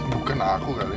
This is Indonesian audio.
bukan aku kali